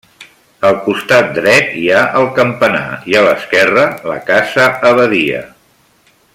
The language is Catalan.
Al costat dret hi ha el campanar i a l'esquerra, la casa abadia.